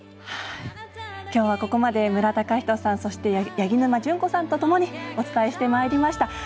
きょうは、ここまで無良崇人さんそして八木沼純子さんとともにお伝えしてまいりました。